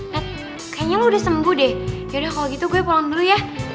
kayaknya lo udah sembuh deh yaudah kalau gitu gue pulang dulu ya